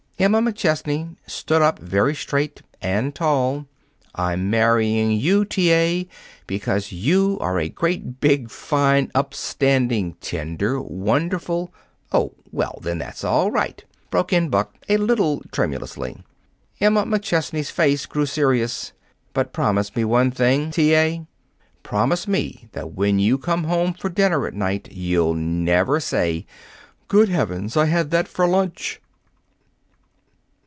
Emma McChesney stood up very straight and tall. "I'm marrying you, T. A., because you are a great, big, fine, upstanding, tender, wonderful " "Oh, well, then that's all right," broke in Buck, a little tremulously. Emma McChesney's face grew serious. "But promise me one thing, T. A. Promise me that when you come home for dinner at night, you'll never say, 'Good heavens, I had that for lunch!'"